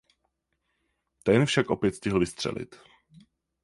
Ten však opět stihl vystřelit.